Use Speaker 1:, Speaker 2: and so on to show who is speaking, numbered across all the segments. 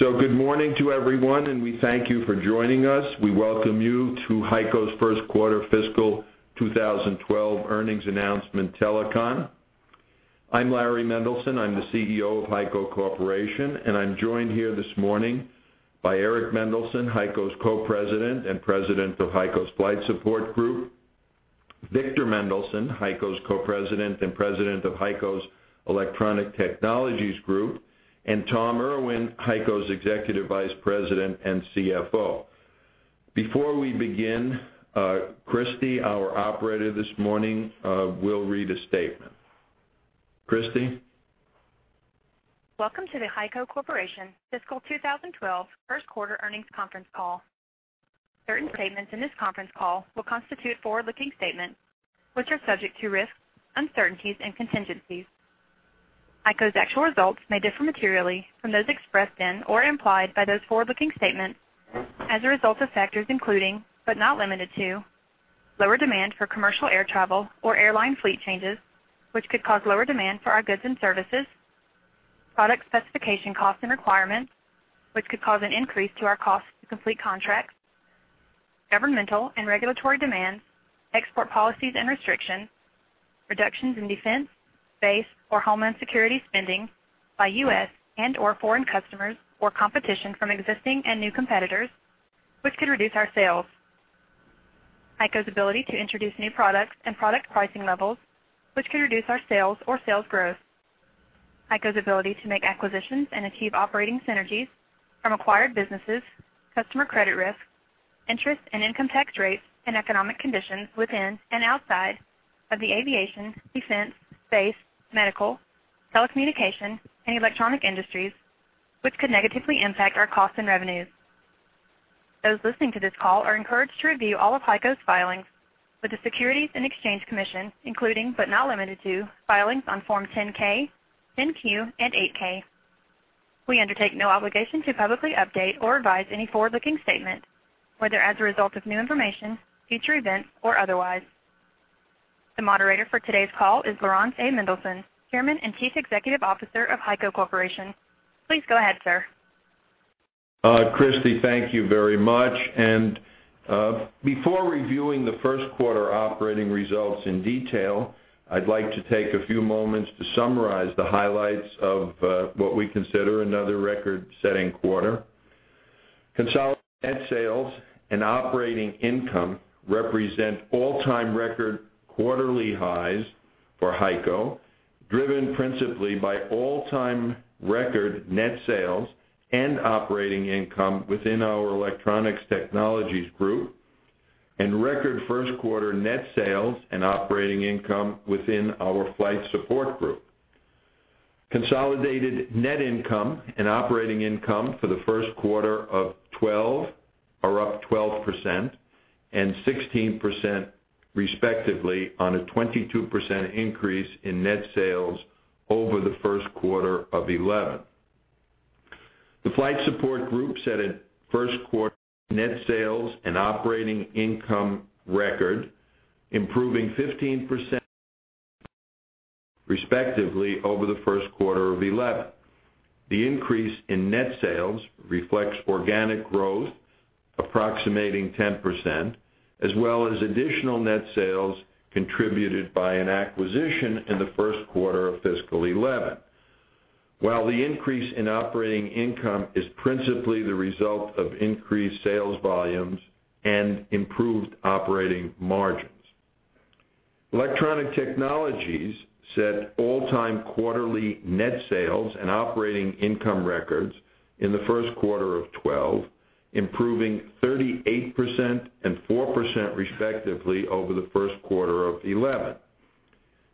Speaker 1: Good morning to everyone, and we thank you for joining us. We welcome you to HEICO's First Quarter Fiscal 2012 Earnings Announcement Telecon. I'm Larry Mendelson, I'm the CEO of HEICO Corporation, and I'm joined here this morning by Eric Mendelson, HEICO's Co-President and President of HEICO's Flight Support Group, Victor Mendelson, HEICO's Co-President and President of HEICO's Electronic Technologies Group, and Tom Irwin, HEICO's Executive Vice President and CFO. Before we begin, Christy, our operator this morning, will read a statement. Christy?
Speaker 2: Welcome to the HEICO Corporation Fiscal 2012 First Quarter Earnings Conference Call. Certain statements in this conference call will constitute forward-looking statements, which are subject to risks, uncertainties, and contingencies. HEICO's actual results may differ materially from those expressed in or implied by those forward-looking statements as a result of factors including, but not limited to, lower demand for commercial air travel or airline fleet changes, which could cause lower demand for our goods and services, product specification costs and requirements, which could cause an increase to our cost to complete contracts, governmental and regulatory demands, export policies and restrictions, reductions in defense, base, or homeland security spending by U.S. and/or foreign customers or competition from existing and new competitors, which could reduce our sales, HEICO's ability to introduce new products and product pricing levels, which could reduce our sales or sales growth, HEICO's ability to make acquisitions and achieve operating synergies from acquired businesses, customer credit risk, interest and income tax rates, and economic conditions within and outside of the aviation, defense, space, medical, telecommunication, and electronic industries, which could negatively impact our costs and revenues. Those listening to this call are encouraged to review all of HEICO's filings with the Securities and Exchange Commission, including, but not limited to, filings on Form 10-K, 10-Q, and 8-K. We undertake no obligation to publicly update or revise any forward-looking statement, whether as a result of new information, future events, or otherwise. The moderator for today's call is Laurans A. Mendelson, Chairman and Chief Executive Officer of HEICO Corporation. Please go ahead, sir.
Speaker 1: Christy, thank you very much. Before reviewing the first quarter operating results in detail, I'd like to take a few moments to summarize the highlights of what we consider another record-setting quarter. Consolidated net sales and operating income represent all-time record quarterly highs for HEICO, driven principally by all-time record net sales and operating income within our Electronic Technologies Group and record first quarter net sales and operating income within our Flight Support Group. Consolidated net income and operating income for the first quarter of 2012 are up 12% and 16%, respectively, on a 22% increase in net sales over the first quarter of 2011. The Flight Support Group set a first quarter net sales and operating income record, improving 15%, respectively, over the first quarter of 2011. The increase in net sales reflects organic growth, approximating 10%, as well as additional net sales contributed by an acquisition in the first quarter of fiscal 2011, while the increase in operating income is principally the result of increased sales volumes and improved operating margins. Electronic Technologies set all-time quarterly net sales and operating income records in the first quarter of 2012, improving 38% and 4%, respectively, over the first quarter of 2011.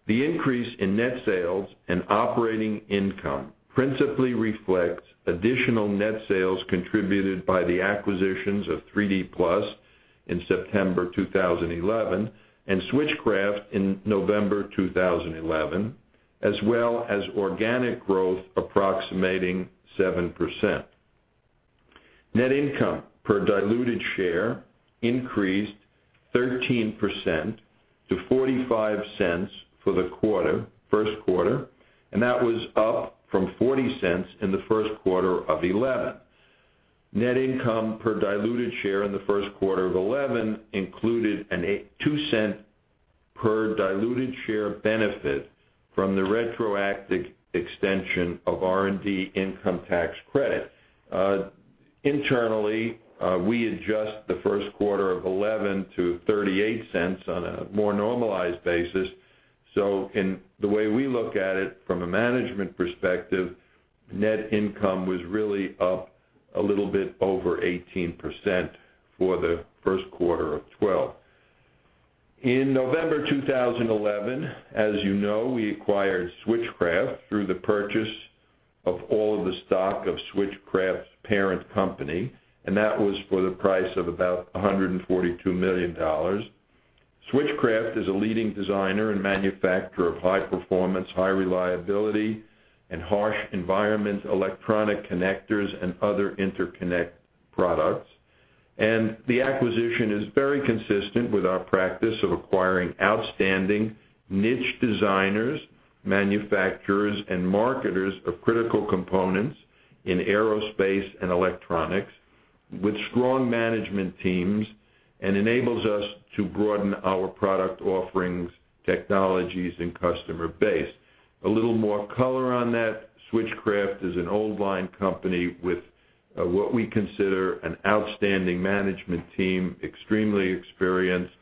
Speaker 1: The increase in net sales and operating income principally reflects additional net sales contributed by the acquisitions of 3D PLUS in September 2011 and Switchcraft in November 2011, as well as organic growth approximating 7%. Net income per diluted share increased 13% to $0.45 for the first quarter, and that was up from $0.40 in the first quarter of 2011. Net income per diluted share in the first quarter of 2011 included a $0.02 per diluted share benefit from the retroactive extension of R&D income tax credit. Internally, we adjust the first quarter of 2011 to $0.38 on a more normalized basis. In the way we look at it from a management perspective, net income was really up a little bit over 18% for the first quarter of 2012. In November 2011, as you know, we acquired Switchcraft through the purchase of all of the stock of Switchcraft's parent company, and that was for the price of about $142 million. Switchcraft is a leading designer and manufacturer of high-performance, high-reliability, and harsh environment electronic connectors and other interconnect products. The acquisition is very consistent with our practice of acquiring outstanding niche designers, manufacturers, and marketers of critical components in aerospace and electronics with strong management teams and enables us to broaden our product offerings, technologies, and customer base. A little more color on that. Switchcraft is an old line company with what we consider an outstanding management team, extremely experienced.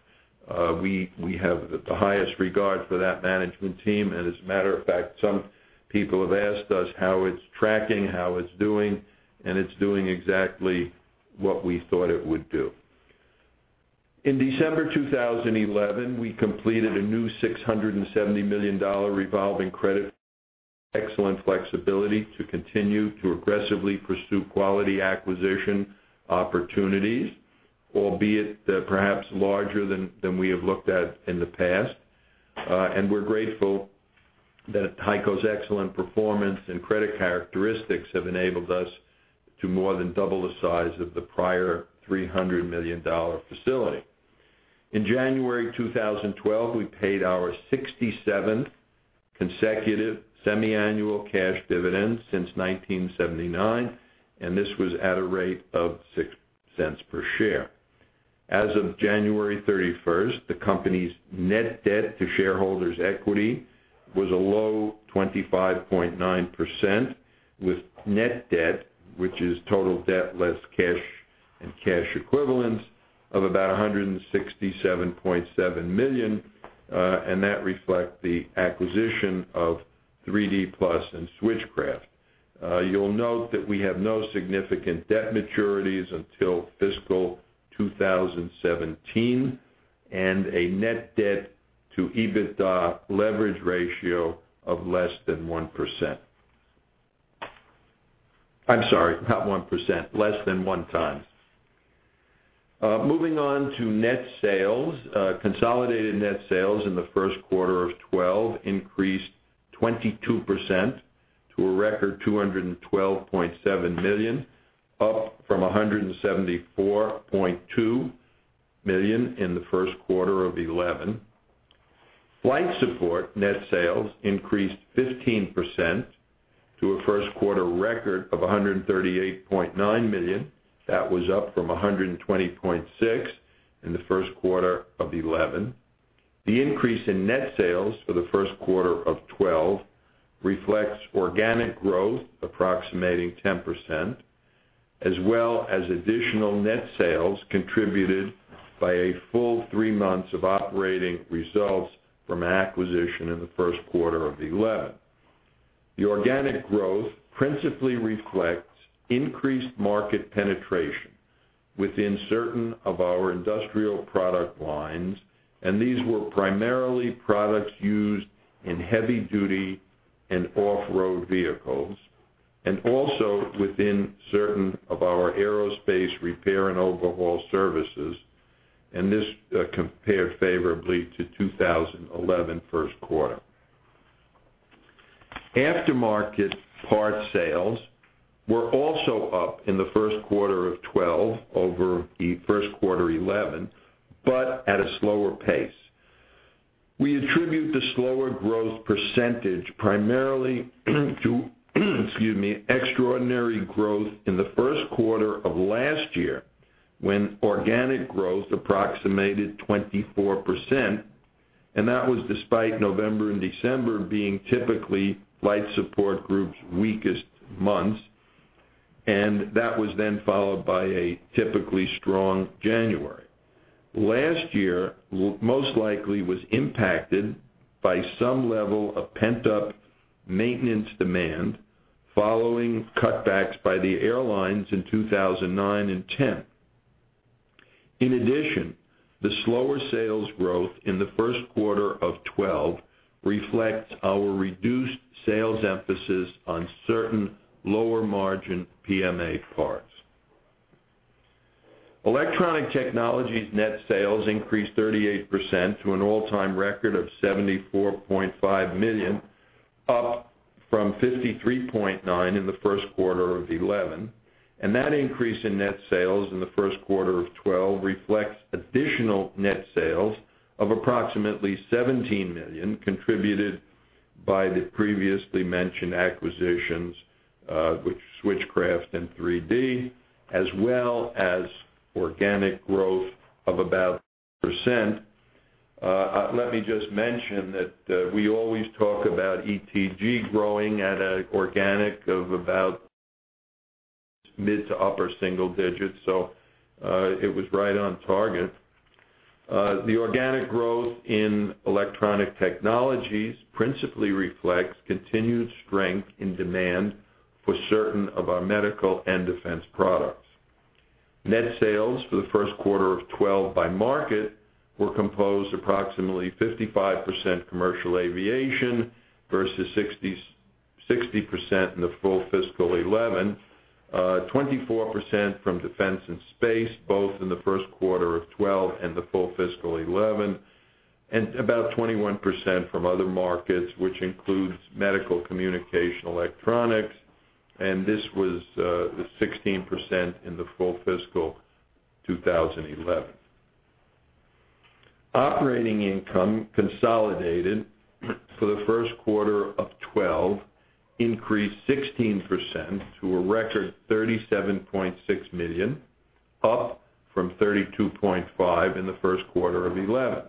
Speaker 1: We have the highest regard for that management team. As a matter of fact, some people have asked us how it's tracking, how it's doing, and it's doing exactly what we thought it would do. In December 2011, we completed a new $670 million revolving credit. Excellent flexibility to continue to aggressively pursue quality acquisition opportunities, albeit perhaps larger than we have looked at in the past. We're grateful that HEICO's excellent performance and credit characteristics have enabled us to more than double the size of the prior $300 million facility. In January 2012, we paid our 67th consecutive semiannual cash dividend since 1979, and this was at a rate of $0.06 per share. As of January 31st, the company's net debt to shareholders' equity was a low 25.9%, with net debt, which is total debt less cash and cash equivalents, of about $167.7 million. That reflects the acquisition of 3D PLUS and Switchcraft. You'll note that we have no significant debt maturities until fiscal 2017 and a net debt to EBITDA leverage ratio of less than 1x. Moving on to net sales, consolidated net sales in the first quarter of 2012 increased 22% to a record $212.7 million, up from $174.2 million in the first quarter of 2011. Flight Support net sales increased 15% to a first quarter record of $138.9 million, up from $120.6 million in the first quarter of 2011. The increase in net sales for the first quarter of 2012 reflects organic growth approximating 10%, as well as additional net sales contributed by a full three months of operating results from an acquisition in the first quarter of 2011. The organic growth principally reflects increased market penetration within certain of our industrial product lines, and these were primarily products used in heavy-duty and off-road vehicles, and also within certain of our aerospace repair and overhaul services. This compared favorably to the 2011 first quarter. Aftermarket part sales were also up in the first quarter of 2012 over the first quarter of 2011, but at a slower pace. We attribute the slower growth percentage primarily to, excuse me, extraordinary growth in the first quarter of last year when organic growth approximated 24%. That was despite November and December being typically Flight Support Group's weakest months. That was then followed by a typically strong January. Last year most likely was impacted by some level of pent-up maintenance demand following cutbacks by the airlines in 2009 and 2010. In addition, the slower sales growth in the first quarter of 2012 reflects our reduced sales emphasis on certain lower margin PMA products. Electronic Technologies net sales increased 38% to an all-time record of $74.5 million, up from $53.9 million in the first quarter of 2011. That increase in net sales in the first quarter of 2012 reflects additional net sales of approximately $17 million contributed by the previously mentioned acquisitions, with Switchcraft and 3D PLUS, as well as organic growth of about 1%. Let me just mention that we always talk about ETG growing at an organic of about mid to upper single digits. It was right on target. The organic growth in Electronic Technologies principally reflects continued strength in demand for certain of our medical and defense products. Net sales for the first quarter of 2012 by market were composed approximately 55% commercial aviation versus 60% in the full fiscal 2011, 24% from defense and space, both in the first quarter of 2012 and the full fiscal 2011, and about 21% from other markets, which includes medical, communication, electronics. This was 16% in the full fiscal 2011. Operating income consolidated for the first quarter of 2012 increased 16% to a record $37.6 million, up from $32.5 million in the first quarter of 2011.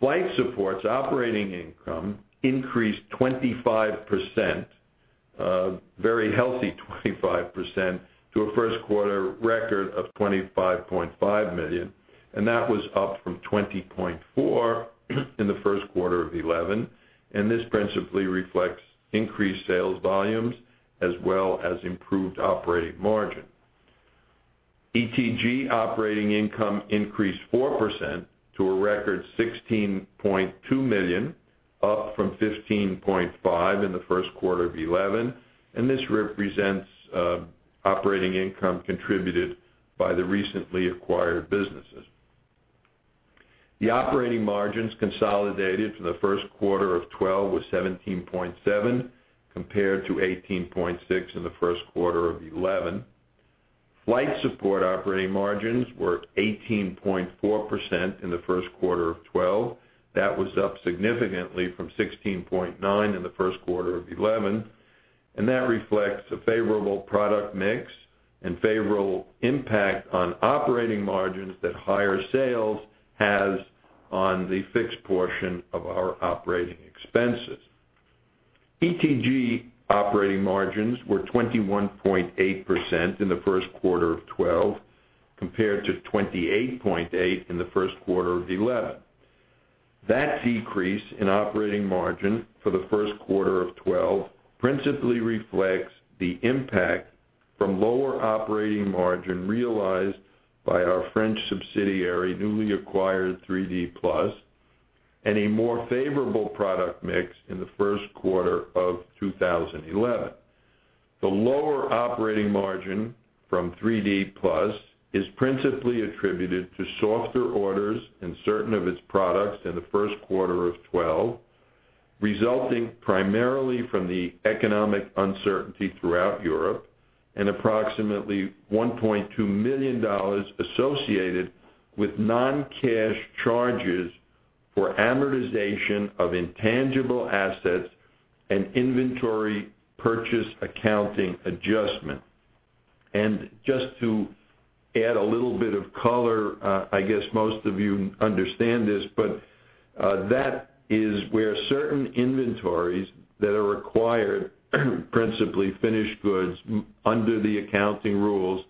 Speaker 1: Flight Support's operating income increased 25%, a very healthy 25%, to a first quarter record of $25.5 million. That was up from $20.4 million in the first quarter of 2011. This principally reflects increased sales volumes as well as improved operating margins. ETG operating income increased 4% to a record $16.2 million, up from $15.5 million in the first quarter of 2011. This represents operating income contributed by the recently acquired businesses. The operating margins consolidated for the first quarter of 2012 was 17.7% compared to 18.6% in the first quarter of 2011. Flight Support operating margins were 18.4% in the first quarter of 2012. That was up significantly from $16.9 million in the first quarter of 2011. That reflects a favorable product mix and favorable impact on operating margins that higher sales has on the fixed portion of our operating expenses. ETG operating margins were 21.8% in the first quarter of 2012 compared to 28.8% in the first quarter of 2011. That decrease in operating margin for the first quarter of 2012 principally reflects the impact from lower operating margin realized by our French subsidiary, newly acquired 3D PLUS, and a more favorable product mix in the first quarter of 2011. The lower operating margin from 3D PLUS is principally attributed to softer orders in certain of its products in the first quarter of 2012, resulting primarily from the economic uncertainty throughout Europe and approximately $1.2 million associated with non-cash charges for amortization of intangible assets and inventory purchase accounting adjustment. Just to add a little bit of color, I guess most of you understand this, but that is where certain inventories that are required, principally finished goods under the accounting rules,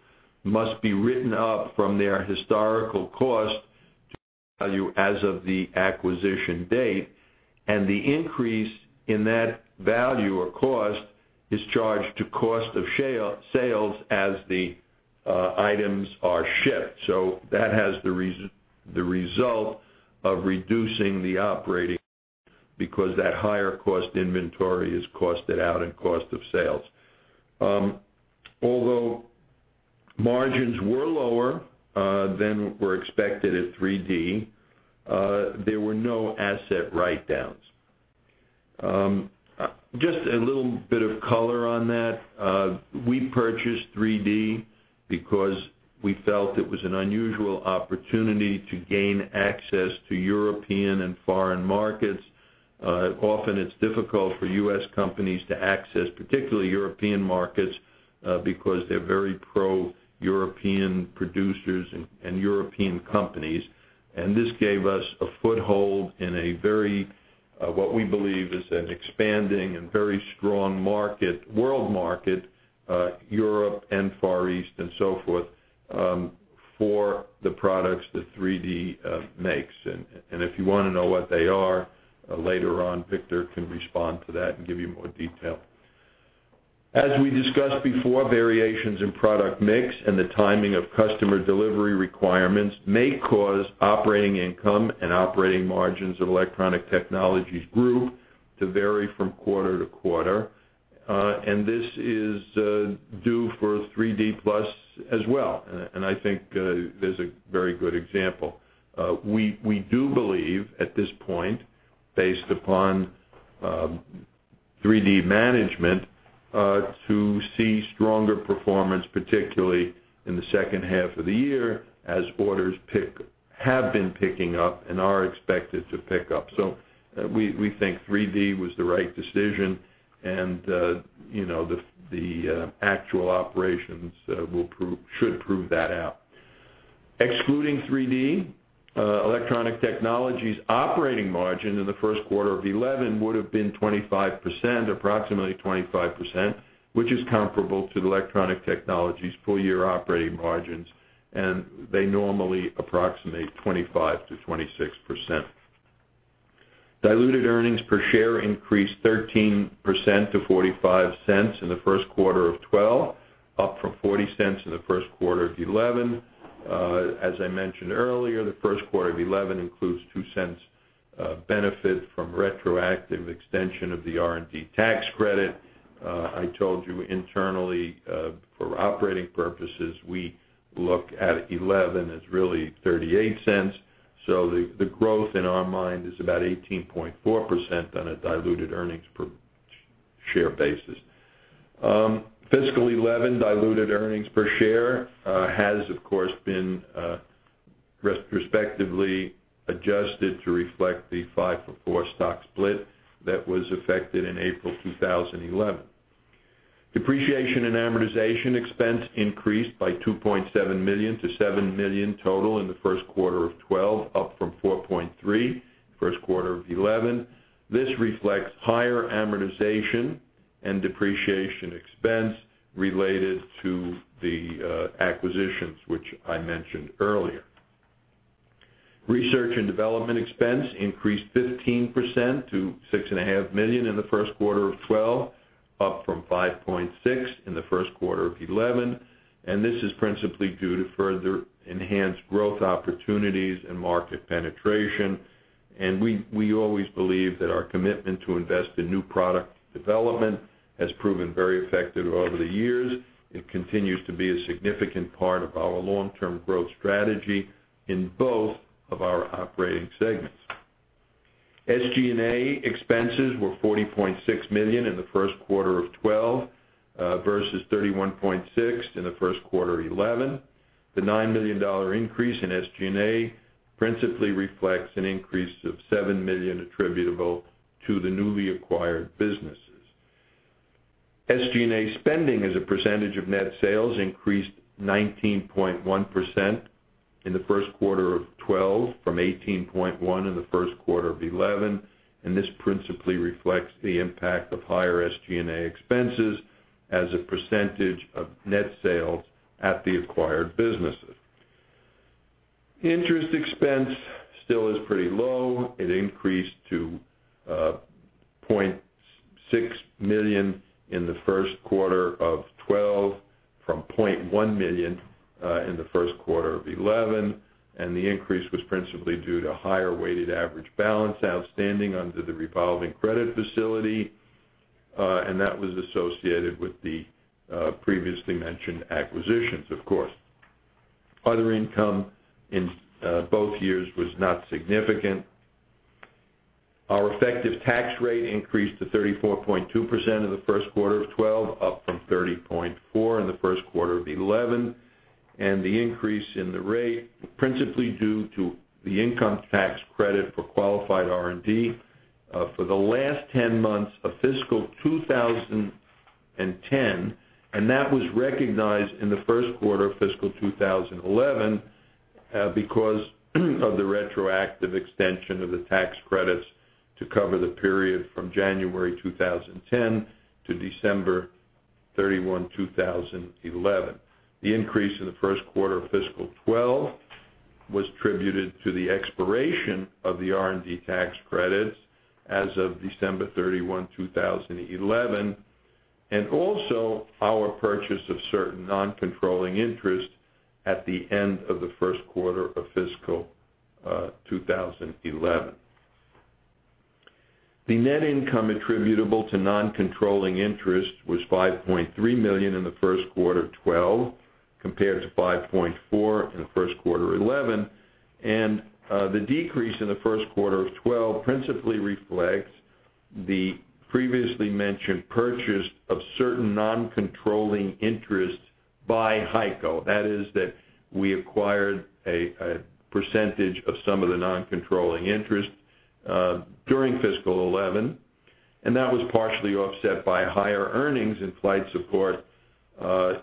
Speaker 1: must be written up from their historical cost as of the acquisition date. The increase in that value or cost is charged to cost of sales as the items are shipped. That has the result of reducing the operating income because that higher cost inventory is costed out in cost of sales. Although margins were lower than were expected at 3D, there were no asset write-downs. Just a little bit of color on that. We purchased 3D because we felt it was an unusual opportunity to gain access to European and foreign markets. Often it's difficult for U.S. companies to access particularly European markets, because they're very pro-European producers and European companies. This gave us a foothold in a very, what we believe is an expanding and very strong market, world market, Europe and Far East and so forth, for the products that 3D makes. If you want to know what they are, later on, Victor can respond to that and give you more detail. As we discussed before, variations in product mix and the timing of customer delivery requirements may cause operating income and operating margins of Electronic Technologies Group to vary from quarter to quarter. This is true for 3D PLUS as well. I think there's a very good example. We do believe at this point, based upon 3D management, to see stronger performance, particularly in the second half of the year as orders have been picking up and are expected to pick up. We think 3D was the right decision. You know, the actual operations will prove, should prove, that out. Excluding 3D, Electronic Technologies' operating margin in the first quarter of 2011 would have been 25%, approximately 25%, which is comparable to the Electronic Technologies' full-year operating margins. They normally approximate 25%-26%. Diluted earnings per share increased 13% to $0.45 in the first quarter of 2012, up from $0.40 in the first quarter of 2011. As I mentioned earlier, the first quarter of 2011 includes $0.02 benefit from retroactive extension of the R&D tax credit. I told you internally, for operating purposes, we look at 2011 as really $0.38. The growth in our mind is about 18.4% on a diluted earnings per share basis. Fiscal 2011 diluted earnings per share has, of course, been retrospectively adjusted to reflect the 5-for-4 stock split that was effected in April 2011. Depreciation and amortization expense increased by $2.7 million-$7 million total in the first quarter of 2012, up from $4.3 million in the first quarter of 2011. This reflects higher amortization and depreciation expense related to the acquisitions, which I mentioned earlier. Research and development expense increased 15% to $6.5 million in the first quarter of 2012, up from $5.6 million in the first quarter of 2011. This is principally due to further enhanced growth opportunities and market penetration. We always believe that our commitment to invest in new product development has proven very effective over the years. It continues to be a significant part of our long-term growth strategy in both of our operating segments. SG&A expenses were $40.6 million in the first quarter of 2012, versus $31.6 million in the first quarter of 2011. The $9 million increase in SG&A principally reflects an increase of $7 million attributable to the newly acquired businesses. SG&A spending as a percentage of net sales increased to 19.1% in the first quarter of 2012 from 18.1% in the first quarter of 2011. This principally reflects the impact of higher SG&A expenses as a percentage of net sales at the acquired businesses. Interest expense still is pretty low. It increased to $0.6 million in the first quarter of 2012 from $0.1 million in the first quarter of 2011. The increase was principally due to higher weighted average balance outstanding under the revolving credit facility. That was associated with the previously mentioned acquisitions, of course. Other income in both years was not significant. Our effective tax rate increased to 34.2% in the first quarter of 2012, up from 30.4% in the first quarter of 2011. The increase in the rate is principally due to the income tax credit for qualified R&D for the last 10 months of fiscal 2010. That was recognized in the first quarter of fiscal 2011 because of the retroactive extension of the tax credits to cover the period from January 2010 to December 31, 2011. The increase in the first quarter of fiscal 2012 was attributed to the expiration of the R&D tax credits as of December 31, 2011, and also our purchase of certain non-controlling interest at the end of the first quarter of fiscal 2011. The net income attributable to non-controlling interest was $5.3 million in the first quarter of 2012 compared to $5.4 million in the first quarter of 2011. The decrease in the first quarter of 2012 principally reflects the previously mentioned purchase of certain non-controlling interests by HEICO. We acquired a percentage of some of the non-controlling interest during fiscal 2011. That was partially offset by higher earnings in Flight Support,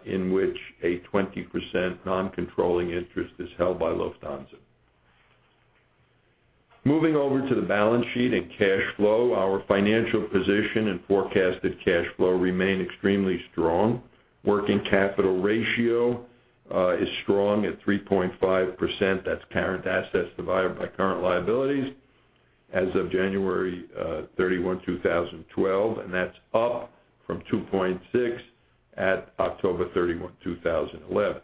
Speaker 1: in which a 20% non-controlling interest is held by Lufthansa. Moving over to the balance sheet and cash flow, our financial position and forecasted cash flow remain extremely strong. Working capital ratio is strong at 3.5, that's current assets divided by current liabilities as of January 31, 2012, and that's up from 2.6 at October 31, 2011.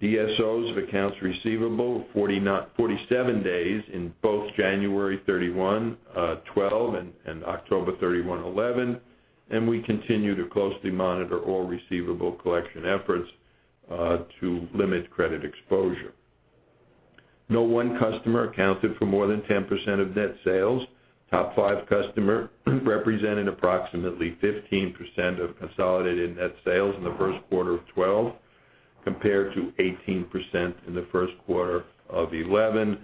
Speaker 1: DSOs of accounts receivable were 47 days in both January 31, 2012, and October 31, 2011. We continue to closely monitor all receivable collection efforts to limit credit exposure. No one customer accounted for more than 10% of net sales. Top five customers represented approximately 15% of consolidated net sales in the first quarter of 2012 compared to 18% in the first quarter of 2011.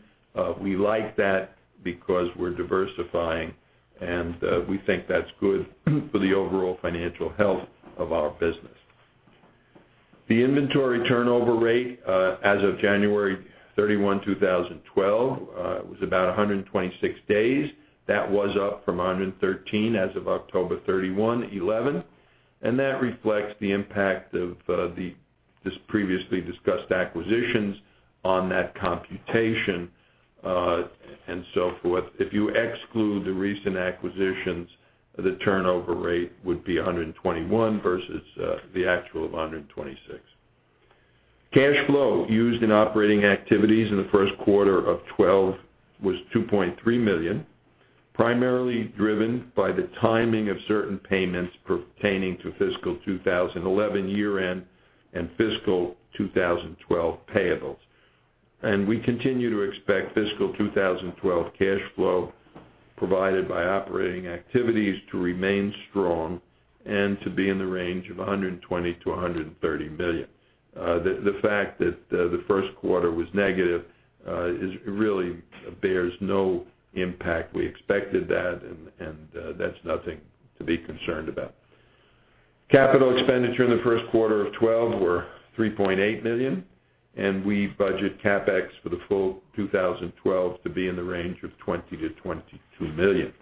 Speaker 1: We like that because we're diversifying, and we think that's good for the overall financial health of our business. The inventory turnover rate as of January 31, 2012, was about 126 days. That was up from 113 as of October 31, 2011. That reflects the impact of the previously discussed acquisitions on that computation, and so forth. If you exclude the recent acquisitions, the turnover rate would be 121 versus the actual of 126. Cash flow used in operating activities in the first quarter of 2012 was $2.3 million, primarily driven by the timing of certain payments pertaining to fiscal 2011 year-end and fiscal 2012 payables. We continue to expect fiscal 2012 cash flow provided by operating activities to remain strong and to be in the range of $120 million-$130 million. The fact that the first quarter was negative really bears no impact. We expected that, and that's nothing to be concerned about. Capital expenditure in the first quarter of 2012 was $3.8 million, and we budget CapEx for the full 2012 to be in the range of $20 million-$22 million.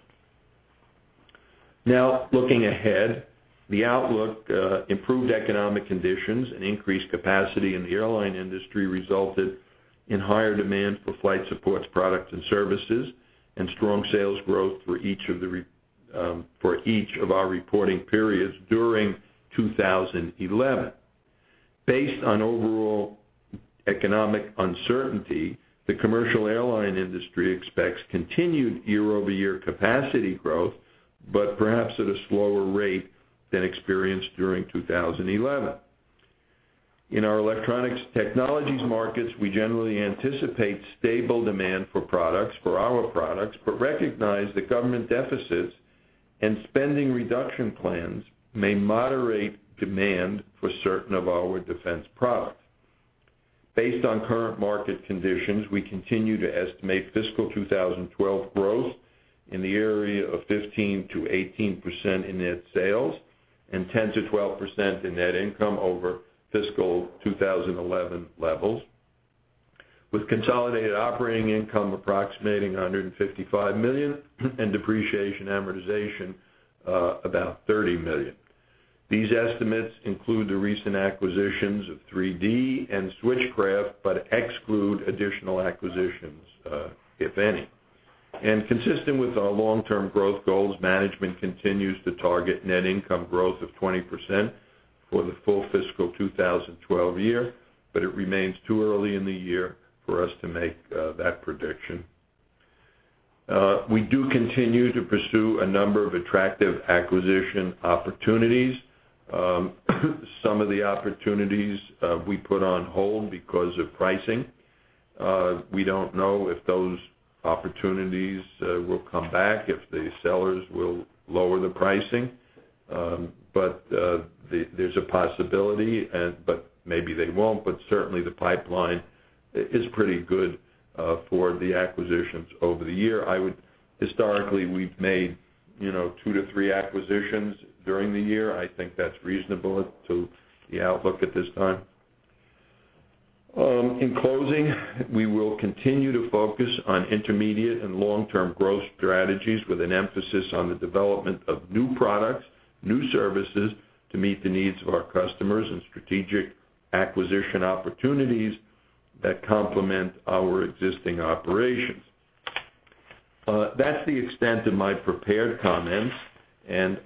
Speaker 1: Now, looking ahead, the outlook, improved economic conditions and increased capacity in the airline industry resulted in higher demand for Flight Support's products and services and strong sales growth for each of our reporting periods during 2011. Based on overall economic uncertainty, the commercial airline industry expects continued year-over-year capacity growth, but perhaps at a slower rate than experienced during 2011. In our Electronic Technologies markets, we generally anticipate stable demand for our products, but recognize that government deficits and spending reduction plans may moderate demand for certain of our defense products. Based on current market conditions, we continue to estimate fiscal 2012 growth in the area of 15%-18% in net sales and 10%-12% in net income over fiscal 2011 levels, with consolidated operating income approximating $155 million and depreciation and amortization about $30 million. These estimates include the recent acquisitions 3D and Switchcraft, but exclude additional acquisitions, if any. Consistent with our long-term growth goals, management continues to target net income growth of 20% for the full fiscal 2012 year, but it remains too early in the year for us to make that prediction. We do continue to pursue a number of attractive acquisition opportunities. Some of the opportunities we put on hold because of pricing. We don't know if those opportunities will come back, if the sellers will lower the pricing. There's a possibility, and maybe they won't, but certainly the pipeline is pretty good for the acquisitions over the year. Historically, we've made two to three acquisitions during the year. I think that's reasonable to the outlook at this time. In closing, we will continue to focus on intermediate and long-term growth strategies with an emphasis on the development of new products, new services to meet the needs of our customers, and strategic acquisition opportunities that complement our existing operations. That's the extent of my prepared comments.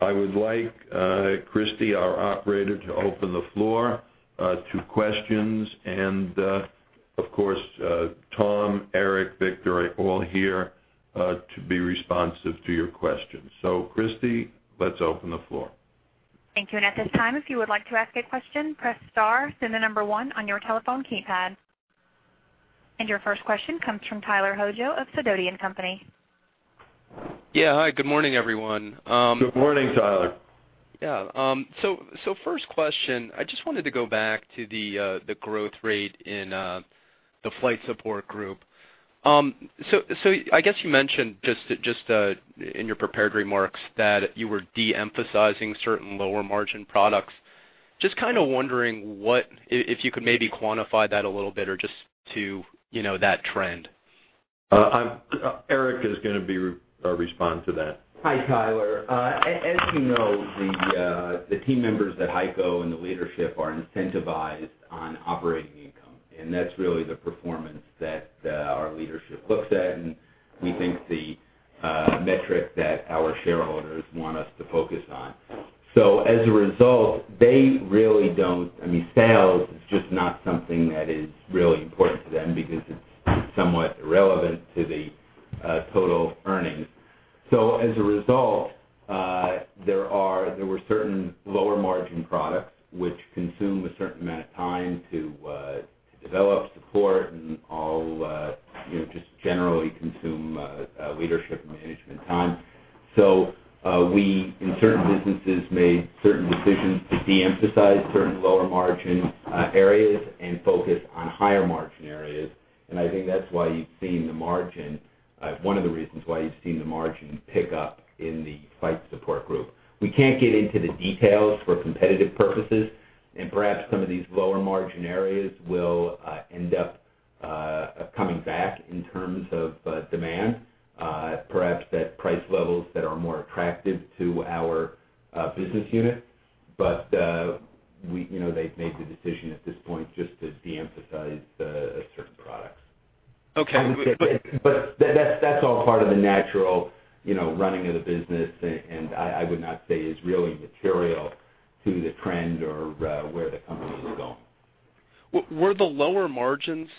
Speaker 1: I would like Christy, our operator, to open the floor to questions. Of course, Tom, Eric, Victor, all here, to be responsive to your questions. Christy, let's open the floor.
Speaker 2: Thank you. At this time, if you would like to ask a question, press star then the number one on your telephone keypad. Your first question comes from Tyler Hojo of Sidoti & Company.
Speaker 3: Yeah, hi. Good morning, everyone.
Speaker 1: Good morning, Tyler.
Speaker 3: Yeah, first question, I just wanted to go back to the growth rate in the Flight Support Group. I guess you mentioned in your prepared remarks that you were de-emphasizing certain lower margin products. Just kind of wondering if you could maybe quantify that a little bit or just, you know, that trend.
Speaker 1: Eric is going to respond to that.
Speaker 4: Hi, Tyler. As you know, the team members at HEICO and the leadership are incentivized on operating income. That's really the performance that our leadership looks at, and we think the metric that our shareholders want us to focus on. As a result, they really don't—I mean, sales is just not something that is really important to them because it's somewhat irrelevant to the total earnings. As a result, there were certain lower margin products which consume a certain amount of time to develop, support, and all, you know, just generally consume leadership and management time. In certain businesses, we made certain decisions to de-emphasize certain lower margin areas and focus on higher margin areas. I think that's why you've seen the margin, one of the reasons why you've seen the margin pick up in the Flight Support Group. We can't get into the details for competitive purposes. Perhaps some of these lower margin areas will end up coming back in terms of demand, perhaps at price levels that are more attractive to our business unit. They've made the decision at this point just to de-emphasize certain products.
Speaker 3: Okay.
Speaker 4: That's all part of the natural running of the business. I would not say it's really material to the trend or where the company is going.
Speaker 3: Were the lower margins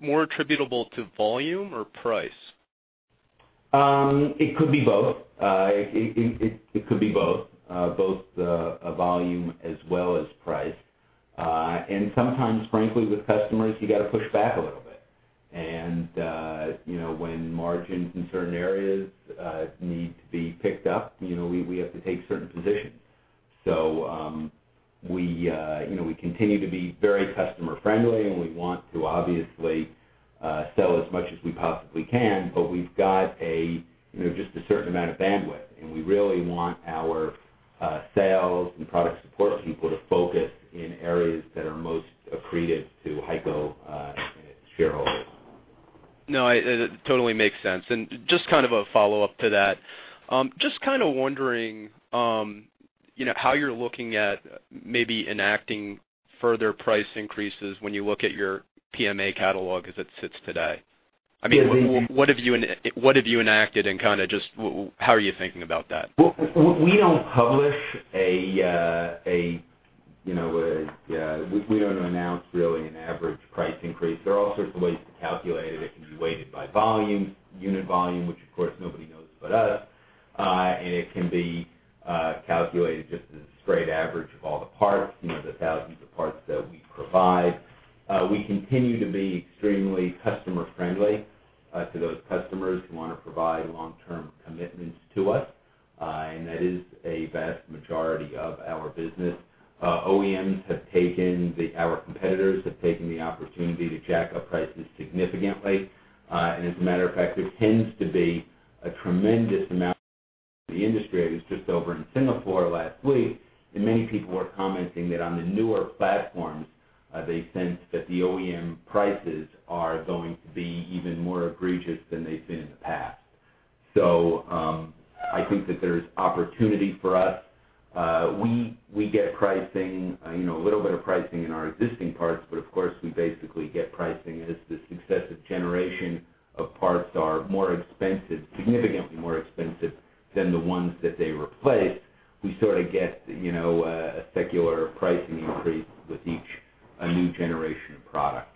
Speaker 3: more attributable to volume or price?
Speaker 4: It could be both. It could be both a volume as well as price. Sometimes, frankly, with customers, you got to push back a little bit. When margins in certain areas need to be picked up, you know, we have to take certain positions. We continue to be very customer-friendly, and we want to obviously sell as much as we possibly can, but we've got just a certain amount of bandwidth. We really want our sales and product support people to focus in areas that are most accretive to HEICO and its shareholders.
Speaker 3: No, it totally makes sense. Just kind of a follow-up to that, just kind of wondering, you know, how you're looking at maybe enacting further price increases when you look at your PMA catalog as it sits today. I mean, what have you enacted and kind of just how are you thinking about that?
Speaker 4: We don't publish a, you know, we don't announce really an average price increase. There are all sorts of ways to calculate it. It can be weighted by volume, unit volume, which, of course, nobody knows about us, and it can be calculated just as a straight average of all the parts, you know, the thousands of parts that we provide. We continue to be extremely customer-friendly to those customers who want to provide long-term commitments to us, and that is a vast majority of our business. OEMs have taken the, our competitors have taken the opportunity to jack up prices significantly. As a matter of fact, there tends to be a tremendous amount of that in the industry. I was just over in Singapore last week, and many people were commenting that on the newer platforms, they sense that the OEM prices are going to be even more egregious than they've seen in the past. I think that there's opportunity for us. We get pricing, you know, a little bit of pricing in our existing parts, but of course, we basically get pricing as the successive generation of parts are more expensive, significantly more expensive than the ones that they replaced. We sort of get, you know, a secular pricing usually with each new generation of product.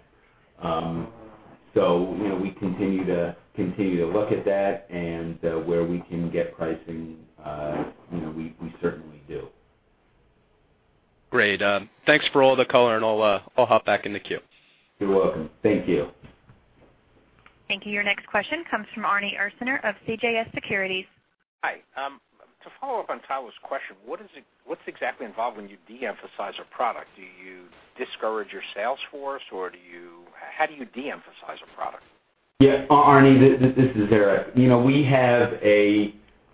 Speaker 4: We continue to look at that, and where we can get pricing, you know, we certainly do.
Speaker 3: Great, thanks for all the color. I'll hop back in the queue.
Speaker 4: You're welcome. Thank you.
Speaker 2: Thank you. Your next question comes from Arnold Ursaner of CJS Securities.
Speaker 5: Hi, to follow up on Tyler's question, what is it, what's exactly involved when you de-emphasize a product? Do you discourage your sales force, or do you, how do you de-emphasize a product?
Speaker 4: Yeah. Arne, this is Eric. We have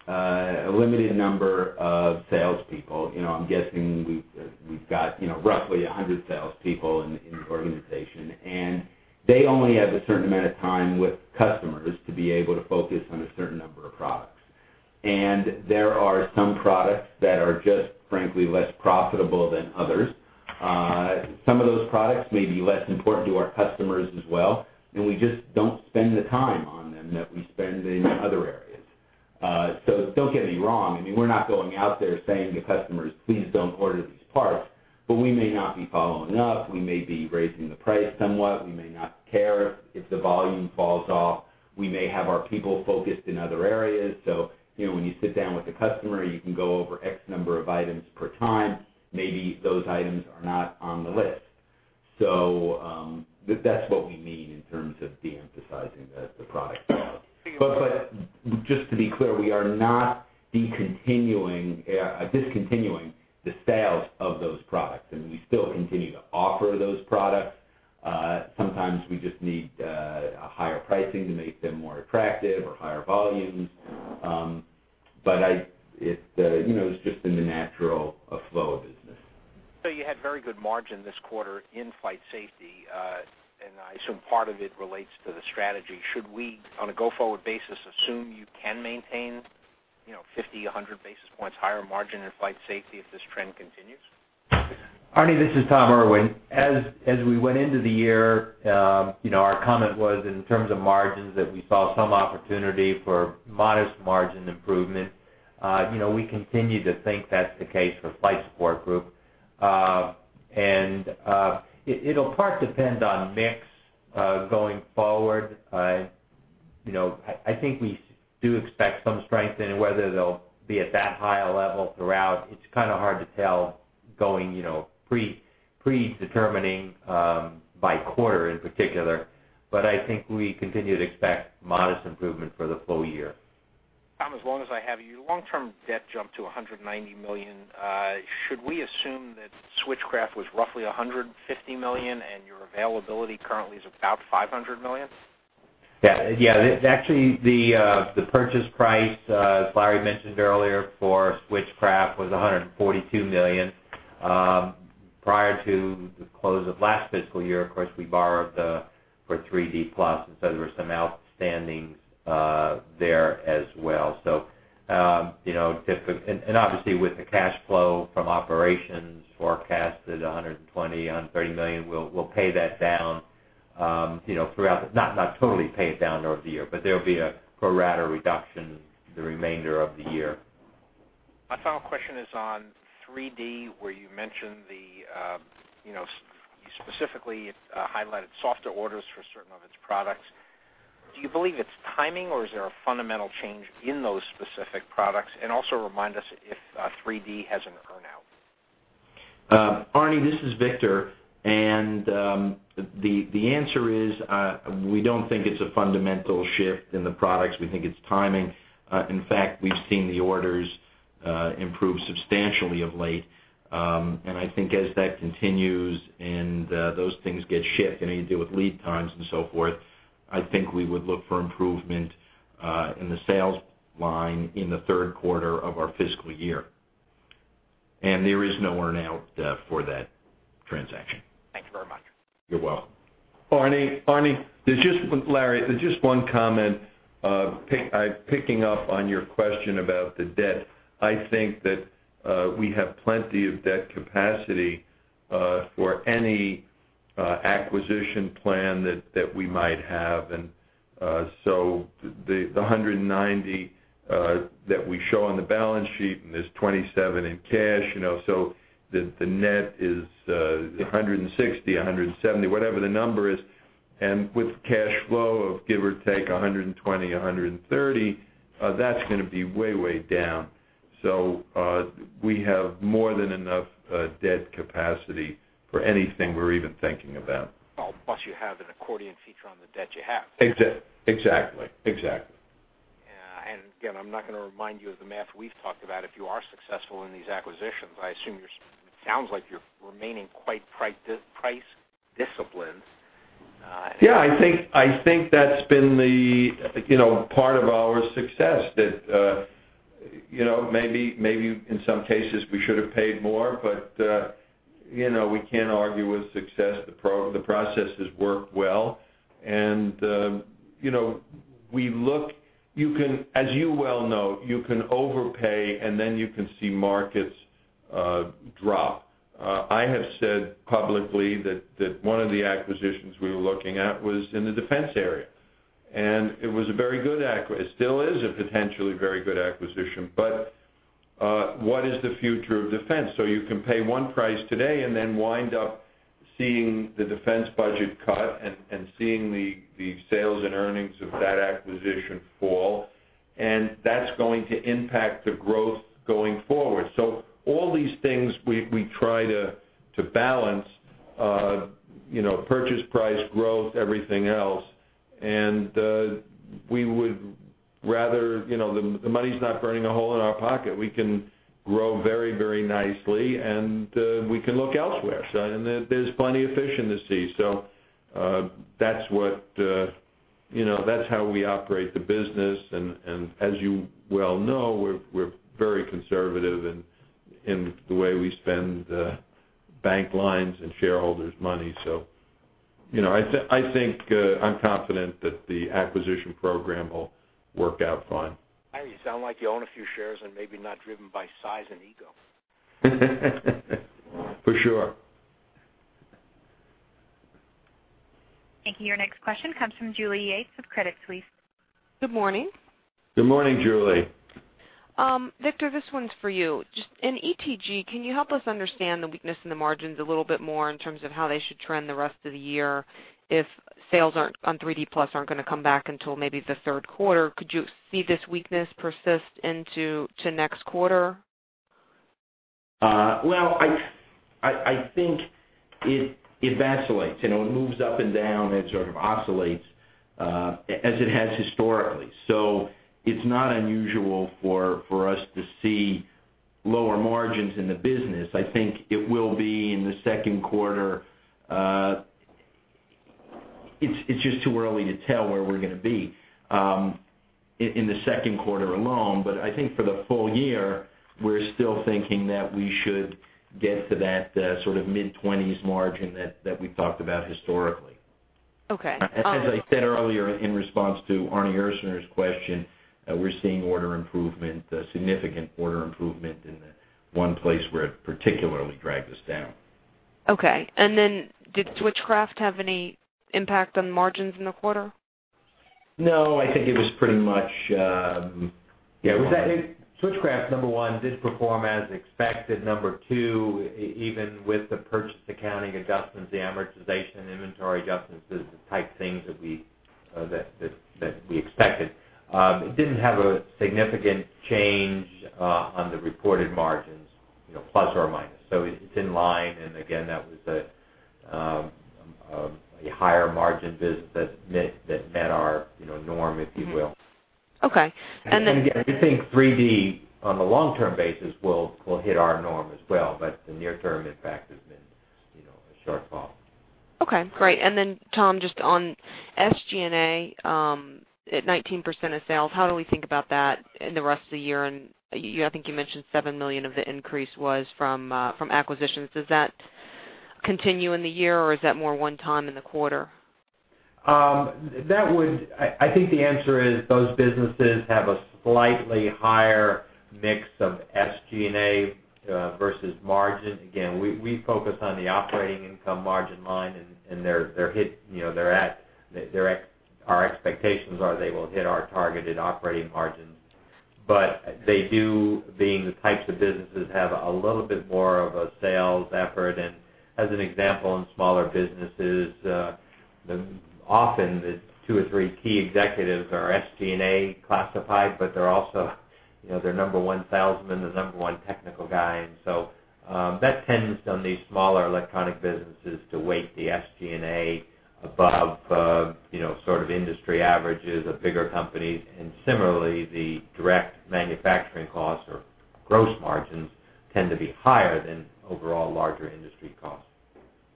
Speaker 4: a limited number of salespeople. I'm guessing we've got roughly 100 salespeople in the organization. They only have a certain amount of time with customers to be able to focus on a certain number of products. There are some products that are just, frankly, less profitable than others. Some of those products may be less important to our customers as well. We just don't spend the time on them that we spend in other areas. Don't get me wrong. We're not going out there saying to customers, "Please don't order these parts," but we may not be following up. We may be raising the price somewhat. We may not care if the volume falls off. We may have our people focused in other areas. When you sit down with the customer, you can go over X number of items per time. Maybe those items are not on the list. That's what we mean in terms of de-emphasizing the product. Just to be clear, we are not discontinuing the sale of those products. We still continue to offer those products. Sometimes we just need a higher pricing to make them more attractive or higher volume. It's just in the natural flow of business.
Speaker 5: You had very good margin this quarter in Flight Support, and I assume part of it relates to the strategy. Should we, on a go-forward basis, assume you can maintain, you know, 50, 100 basis points higher margin in Flight Support if this trend continues?
Speaker 6: Arne, this is Tom Irwin. As we went into the year, our comment was in terms of margins that we saw some opportunity for modest margin improvement. We continue to think that's the case for Flight Support Group, and it'll partly depend on mix going forward. I think we do expect some strengthening, whether they'll be at that high level throughout. It's kind of hard to tell pre-determining by quarter in particular. I think we continue to expect modest improvement for the full year.
Speaker 5: Tom, as long as I have you, long-term debt jumped to $190 million. Should we assume that Switchcraft was roughly $150 million and your availability currently is about $500 million?
Speaker 4: Yeah. Actually, the purchase price, as Larry mentioned earlier, for Switchcraft was $142 million. Prior to the close of last fiscal year, of course, we borrowed for 3D PLUS, and there was some outstanding there as well. Typically, and obviously, with the cash flow from operations forecasted $120 million, $130 million, we'll pay that down throughout the, not totally pay it down over the year, but there'll be a pro rata reduction the remainder of the year.
Speaker 5: My final question is on 3D, where you mentioned, you specifically highlighted softer orders for certain of its products. Do you believe it's timing, or is there a fundamental change in those specific products? Also, remind us if 3D has an earnout.
Speaker 7: Arne, this is Victor. The answer is, we don't think it's a fundamental shift in the products. We think it's timing. In fact, we've seen the orders improve substantially of late. I think as that continues and those things get shipped, you deal with lead times and so forth. I think we would look for improvement in the sales line in the third quarter of our fiscal year. There is no earnout for that transaction.
Speaker 5: Thank you very much.
Speaker 7: You're welcome.
Speaker 1: Arne, there's just one comment, picking up on your question about the debt. I think that we have plenty of debt capacity for any acquisition plan that we might have. The $190 million that we show on the balance sheet, and there's $27 million in cash, so the net is $160 million, $170 million, whatever the number is. With cash flow of, give or take, $120 million, $130 million, that's going to be way, way down. We have more than enough debt capacity for anything we're even thinking about.
Speaker 5: Oh, plus you have an accordion feature on the debt you have.
Speaker 1: Exactly. Exactly.
Speaker 5: I'm not going to remind you of the math we've talked about. If you are successful in these acquisitions, I assume it sounds like you're remaining quite price disciplined.
Speaker 1: Yeah. I think that's been the, you know, part of our success that, you know, maybe in some cases we should have paid more, but, you know, we can't argue with success. The process has worked well. You can, as you well know, overpay and then you can see markets drop. I have said publicly that one of the acquisitions we were looking at was in the defense area. It was a very good acquisition. It still is a potentially very good acquisition. What is the future of defense? You can pay one price today and then wind up seeing the defense budget cut and seeing the sales and earnings of that acquisition fall. That's going to impact the growth going forward. All these things we try to balance, you know, purchase price, growth, everything else. We would rather, you know, the money's not burning a hole in our pocket. We can grow very, very nicely, and we can look elsewhere. There's plenty of fish in the sea. That's how we operate the business. As you well know, we're very conservative in the way we spend the bank lines and shareholders' money. I think, I'm confident that the acquisition program will work out fine.
Speaker 5: Larry, you sound like you own a few shares and maybe not driven by size and ego.
Speaker 1: For sure.
Speaker 2: Thank you. Your next question comes from Julie Yates of Credit Suisse.
Speaker 8: Good morning.
Speaker 1: Good morning, Julie.
Speaker 8: Victor, this one's for you. Just in ETG, can you help us understand the weakness in the margins a little bit more in terms of how they should trend the rest of the year if sales on 3D PLUS aren't going to come back until maybe the third quarter? Could you see this weakness persist into next quarter?
Speaker 7: I think it vacillates. You know, it moves up and down and sort of oscillates, as it has historically. It's not unusual for us to see lower margins in the business. I think it will be in the second quarter. It's just too early to tell where we're going to be in the second quarter alone. I think for the full year, we're still thinking that we should get to that sort of mid-20% margin that we've talked about historically.
Speaker 8: Okay.
Speaker 7: As I said earlier in response to Arne Ursaner's question, we're seeing order improvement, significant order improvement in the one place where it particularly dragged us down.
Speaker 8: Okay. Did Switchcraft have any impact on the margins in the quarter?
Speaker 7: No. I think it was pretty much, yeah, it was that Switchcraft, number one, did perform as expected. Number two, even with the purchase accounting adjustments, the amortization and inventory adjustments are the type of things that we expected. It didn't have a significant change on the reported margins, you know, plus or minus. It's in line. That was a higher margin visit that met our norm, if you will.
Speaker 8: Okay. Then.
Speaker 7: We think 3D PLUS on the long-term basis will hit our norm as well. The near term, in fact, has been a shortfall.
Speaker 8: Okay. Great. Tom, just on SG&A, at 19% of sales, how do we think about that in the rest of the year? I think you mentioned $7 million of the increase was from acquisitions. Does that continue in the year, or is that more one time in the quarter?
Speaker 6: I think the answer is those businesses have a slightly higher mix of SG&A versus margin. Again, we focus on the operating income margin line, and they're at our expectations or they will hit our targeted operating margins. They do, being the types of businesses, have a little bit more of a sales effort. As an example, in smaller businesses, often the two or three key executives are SG&A classified, but they're also, you know, the number one salesmen, the number one technical guy. That tends on these smaller electronic businesses to weight the SG&A above sort of industry averages of bigger companies. Similarly, the direct manufacturing costs or gross margins tend to be higher than overall larger industry costs.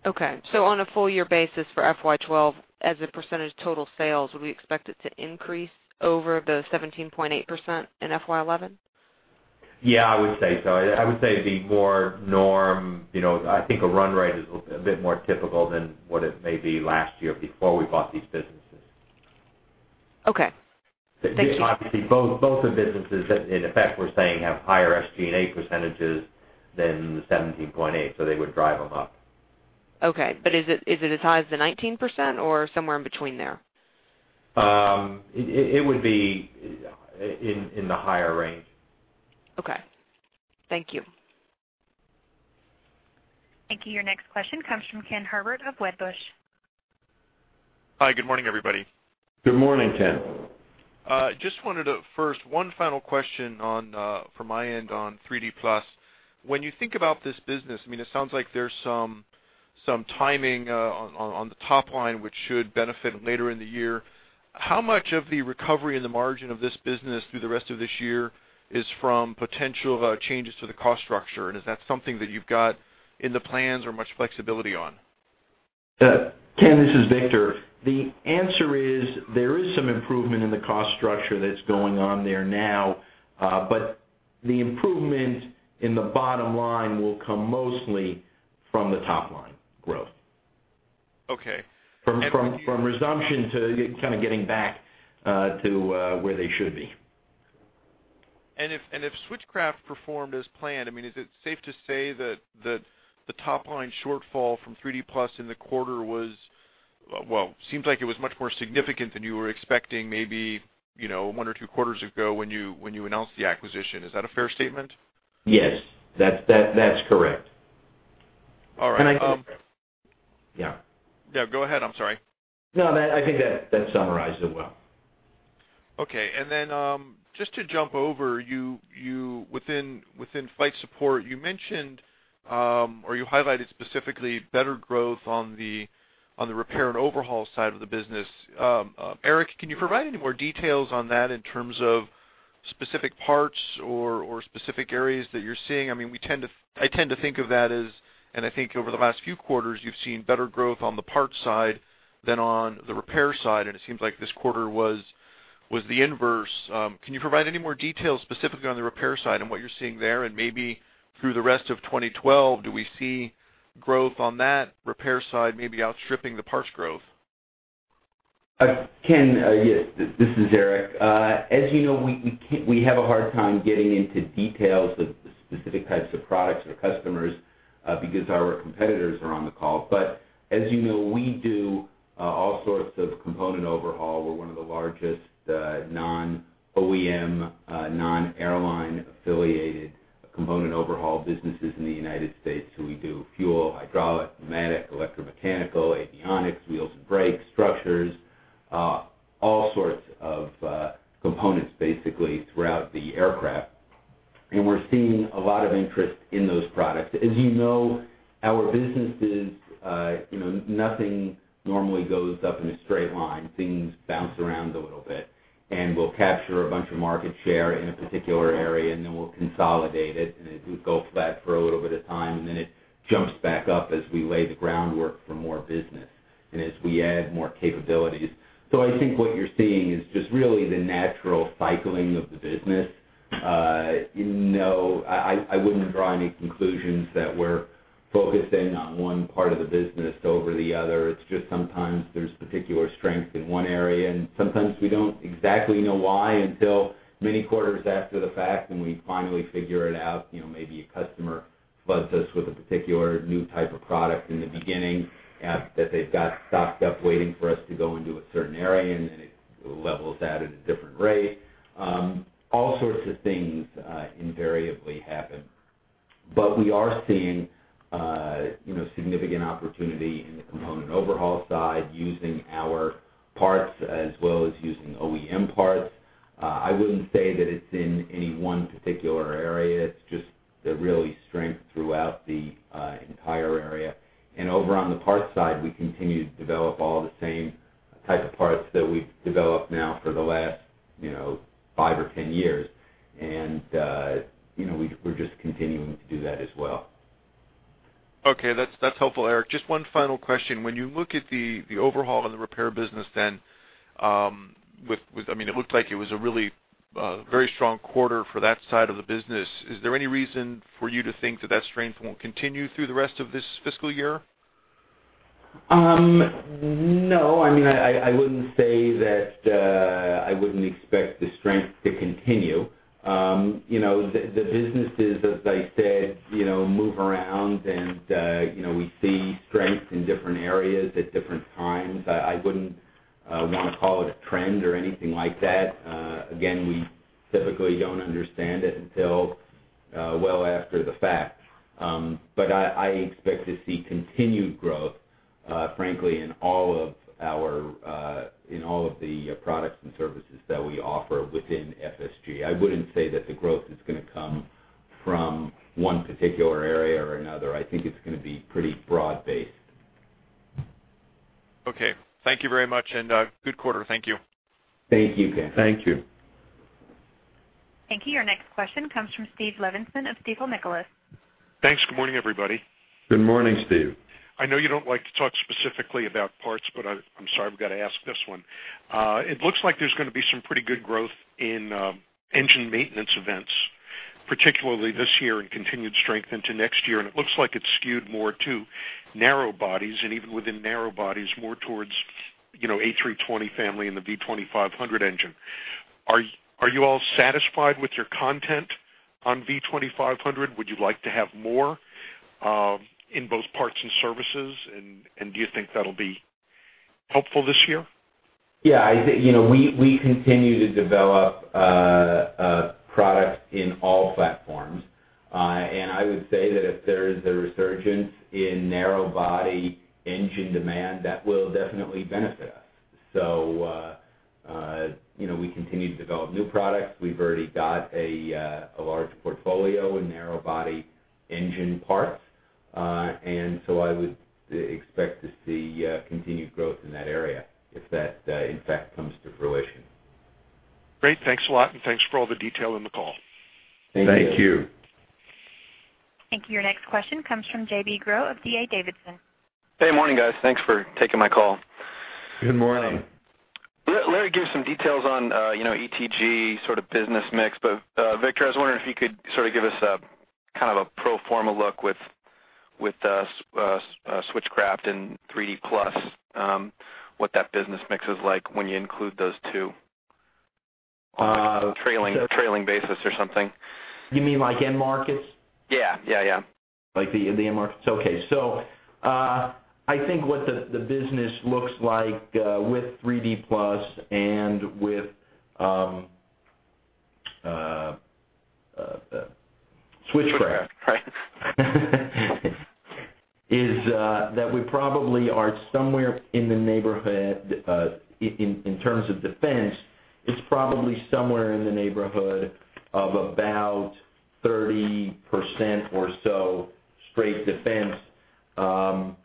Speaker 8: Okay. On a full-year basis for FY 2012, as a percentage of total sales, would we expect it to increase over the 17.8% in FY 2011?
Speaker 6: Yeah, I would say so. I would say it'd be more norm. I think a run rate is a bit more typical than what it may be last year before we bought these businesses.
Speaker 8: Okay, thank you.
Speaker 6: Both of the businesses that, in effect, we're saying have higher SG&A percentages than the 17.8%, so they would drive them up.
Speaker 8: Okay. Is it as high as the 19% or somewhere in between there?
Speaker 6: It would be in the higher range.
Speaker 8: Okay, thank you.
Speaker 2: Thank you. Your next question comes from Ken Herbert of Wedbush.
Speaker 9: Hi. Good morning, everybody.
Speaker 1: Good morning, Ken.
Speaker 9: just wanted to, first, one final question from my end on 3D PLUS. When you think about this business, it sounds like there's some timing on the top line, which should benefit later in the year. How much of the recovery in the margin of this business through the rest of this year is from potential changes to the cost structure? Is that something that you've got in the plans or much flexibility on?
Speaker 7: Ken, this is Victor. The answer is there is some improvement in the cost structure that's going on there now, but the improvement in the bottom line will come mostly from the top line growth.
Speaker 9: Okay.
Speaker 7: From resumption to kind of getting back to where they should be.
Speaker 9: If Switchcraft performed as planned, is it safe to say that the top line shortfall from 3D PLUS in the quarter was, well, seemed like it was much more significant than you were expecting maybe, you know, one or two quarters ago when you announced the acquisition? Is that a fair statement?
Speaker 7: Yes, that's correct.
Speaker 9: All right. I think.
Speaker 7: Yeah.
Speaker 9: No, go ahead. I'm sorry.
Speaker 7: No, I think that summarized it well.
Speaker 9: Okay. Just to jump over, within Flight Support, you mentioned, or you highlighted specifically better growth on the repair and overhaul side of the business. Eric, can you provide any more details on that in terms of specific parts or specific areas that you're seeing? I tend to think of that as, and I think over the last few quarters, you've seen better growth on the parts side than on the repair side. It seems like this quarter was the inverse. Can you provide any more details specifically on the repair side and what you're seeing there? Maybe through the rest of 2012, do we see growth on that repair side, maybe outstripping the parts growth?
Speaker 4: Ken, yeah, this is Eric. As you know, we can't, we have a hard time getting into details of specific types of products or customers, because our competitors are on the call. As you know, we do all sorts of component overhaul. We're one of the largest non-OEM, non-airline affiliated component overhaul businesses in the United States. We do fuel, hydraulic, pneumatic, electromechanical, avionics, wheels and brakes, structures, all sorts of components basically throughout the aircraft. We're seeing a lot of interest in those products. As you know, our business is, you know, nothing normally goes up in a straight line. Things bounce around a little bit. We'll capture a bunch of market share in a particular area, and then we'll consolidate it. It will go flat for a little bit of time, and then it jumps back up as we lay the groundwork for more business and as we add more capabilities. I think what you're seeing is just really the natural cycling of the business. I wouldn't draw any conclusions that we're focusing on one part of the business over the other. It's just sometimes there's particular strength in one area, and sometimes we don't exactly know why until many quarters after the fact, and we finally figure it out. Maybe a customer loves us with a particular new type of product in the beginning, after that they've got stocked up waiting for us to go into a certain area, and then it levels out at a different rate. All sorts of things invariably happen. We are seeing significant opportunity in the component overhaul side using our parts as well as using OEM parts. I wouldn't say that it's in any one particular area. It's just the really strength throughout the entire area. Over on the parts side, we continue to develop all the same type of parts that we've developed now for the last, you know, 5 or 10 years. We're just continuing to do that as well.
Speaker 9: Okay. That's helpful, Eric. Just one final question. When you look at the overhaul and the repair business, it looked like it was a really very strong quarter for that side of the business. Is there any reason for you to think that strength won't continue through the rest of this fiscal year?
Speaker 4: No, I wouldn't say that. I wouldn't expect the strength to continue. The businesses, as I said, move around and we see strengths in different areas at different times. I wouldn't want to call it a trend or anything like that. We typically don't understand it until well after the fact. I expect to see continued growth, frankly, in all of the products and services that we offer within FSG. I wouldn't say that the growth is going to come from one particular area or another. I think it's going to be pretty broad-based.
Speaker 9: Thank you very much. Good quarter. Thank you.
Speaker 4: Thank you, Ken.
Speaker 7: Thank you.
Speaker 2: Thank you. Your next question comes from Steve Levinson of Stifel Nicolaus.
Speaker 10: Thanks. Good morning, everybody.
Speaker 1: Good morning, Steve.
Speaker 10: I know you don't like to talk specifically about parts, but I'm sorry, I've got to ask this one. It looks like there's going to be some pretty good growth in engine maintenance events, particularly this year and continued strength into next year. It looks like it's skewed more to narrow bodies and even within narrow bodies, more towards, you know, A320 family and the V2500 engine. Are you all satisfied with your content on V2500? Would you like to have more, in both parts and services? Do you think that'll be helpful this year?
Speaker 4: Yeah. I think, you know, we continue to develop products in all platforms. I would say that if there is a resurgence in narrow body engine demand, that will definitely benefit us. You know, we continue to develop new products. We've already got a large portfolio in narrow body engine parts, and I would expect to see continued growth in that area if that, in fact, comes to fruition.
Speaker 10: Great. Thanks a lot. Thanks for all the detail in the call.
Speaker 4: Thank you.
Speaker 1: Thank you.
Speaker 2: Thank you. Your next question comes from JB Groh of D.A. Davidson.
Speaker 11: Hey, morning, guys. Thanks for taking my call.
Speaker 1: Good morning.
Speaker 11: Larry gave us some details on ETG sort of business mix. Victor, I was wondering if you could sort of give us a kind of a pro forma look with Switchcraft and 3D PLUS, what that business mix is like when you include those two, trailing basis or something.
Speaker 7: You mean like end markets?
Speaker 11: Yeah, yeah.
Speaker 7: Like the end markets. Okay. I think what the business looks like, with 3D PLUS and with Switchcraft.
Speaker 11: Switchcraft.
Speaker 7: We probably are somewhere in the neighborhood, in terms of defense, it's probably somewhere in the neighborhood of about 30% or so straight defense, on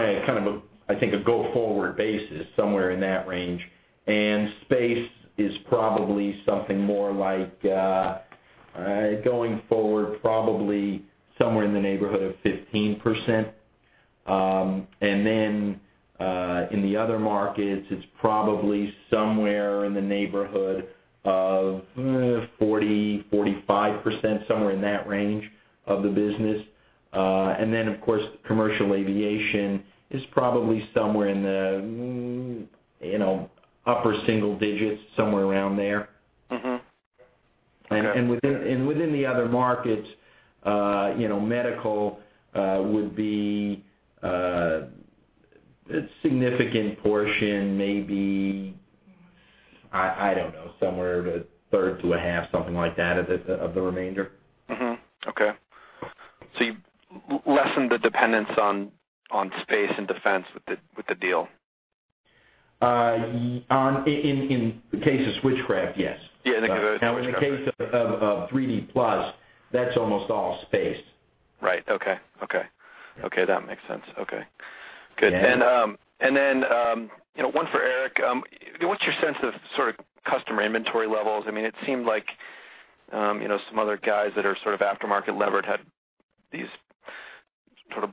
Speaker 7: a kind of a, I think, a go-forward basis, somewhere in that range. Space is probably something more like, going forward, probably somewhere in the neighborhood of 15%. In the other markets, it's probably somewhere in the neighborhood of 40%-45%, somewhere in that range of the business. Of course, commercial aviation is probably somewhere in the upper single digits, somewhere around there.
Speaker 11: Mm-hmm.
Speaker 7: Within the other markets, medical would be a significant portion, maybe, I don't know, somewhere a third to a half, something like that, of the remainder.
Speaker 11: Mm-hmm. Okay. You lessen the dependence on space and defense with the deal.
Speaker 7: In the case of Switchcraft, yes.
Speaker 11: Yeah.
Speaker 7: Now, in the case of 3D PLUS, that's almost all space.
Speaker 11: Right. Okay. That makes sense. Good. One for Eric, what's your sense of sort of customer inventory levels? It seemed like some other guys that are sort of aftermarket levered had these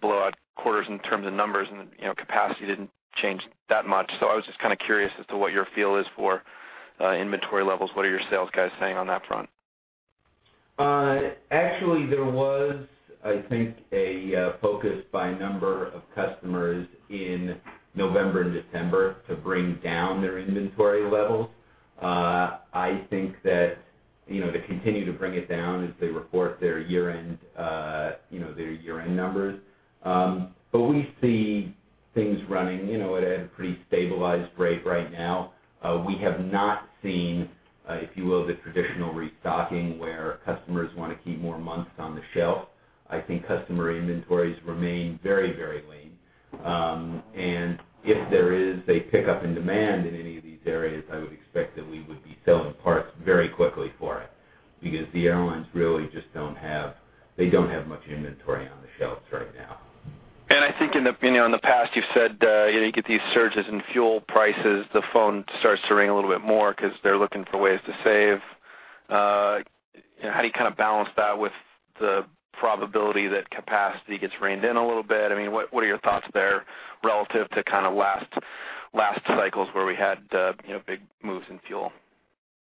Speaker 11: blowout quarters in terms of numbers, and capacity didn't change that much. I was just kind of curious as to what your feel is for inventory levels. What are your sales guys saying on that front?
Speaker 4: Actually, there was, I think, a focus by a number of customers in November and December to bring down their inventory level. I think that, you know, they continue to bring it down as they report their year-end numbers. We see things running at a pretty stabilized rate right now. We have not seen, if you will, the traditional restocking where customers want to keep more months on the shelf. I think customer inventories remain very, very lean. If there is a pickup in demand in any of these areas, I would expect that we would be selling parts very quickly for it because the airlines really just don't have, they don't have much inventory on the shelves right now.
Speaker 11: In the past, you've said you get these surges in fuel prices, the phone starts to ring a little bit more because they're looking for ways to save. How do you kind of balance that with the probability that capacity gets reined in a little bit? What are your thoughts there relative to last cycles where we had big moves in fuel?